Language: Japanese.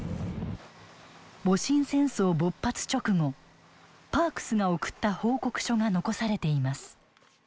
戊辰戦争勃発直後パークスが送った報告書が残されています。